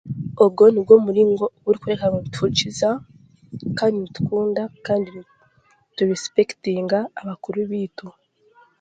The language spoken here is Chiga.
Ogwo nigwo muringo gutukubeera nituguhurikiza kandi nitukunda kandi niturisipekitinga abakuru baitu